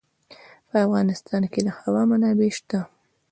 په افغانستان کې د هوا منابع شته.